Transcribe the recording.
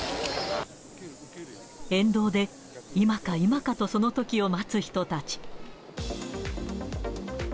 沿道で今か今かと、そのときを待つ人たち。